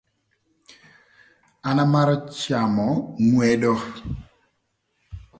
An amarö camö ngwedo